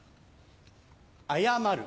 謝る。